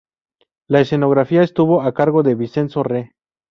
La escenografía estuvo a cargo de Vincenzo Re.